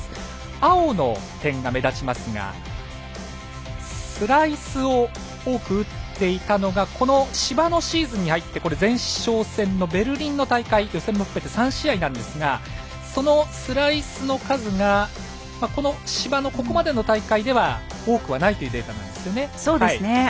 青の点が目立ちますがスライスを多く打っていたのがこの芝のシーズンに入って前哨戦のベルリンの大会予選も含めて３試合なんですがそのスライスの数がこの芝のここまでの大会では多くはないというデータなんですよね。